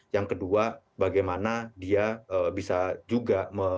yang kedua bagaimana dia bisa juga